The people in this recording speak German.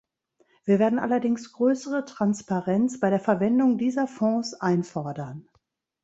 Wir werden allerdings größere Transparenz bei der Verwendung dieser Fonds einfordern.